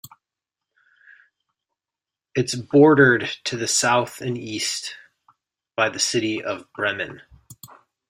It is bordered to the south and east by the city of Bremen.